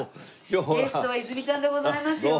ゲストは泉ちゃんでございますよ。